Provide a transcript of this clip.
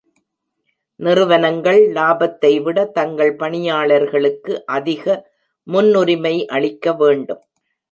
நிறுவனங்கள் லாபத்தைவிட தங்கள் பணியாளர்களுக்கு அதிக முன்னுரிமை அளிக்க வேண்டும்.